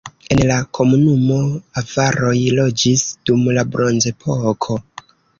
En la komunumo avaroj loĝis dum la bronzepoko.